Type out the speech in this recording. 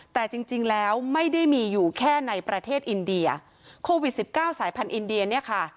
แต่จริงจริงแล้วไม่ได้มีอยู่แค่ในประเทศอินเดียโควิดสิบเก้าสายพันธุอินเดียเนี่ยค่ะ